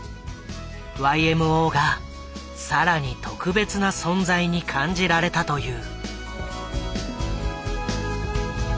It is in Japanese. ＹＭＯが更に特別な存在に感じられたという。